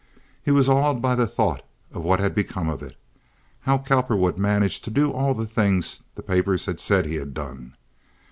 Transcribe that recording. He was awed by the thought of what had become of it—how Cowperwood managed to do all the things the papers had said he had done.